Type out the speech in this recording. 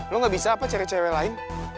lo gak bisa apa cewek cewek lain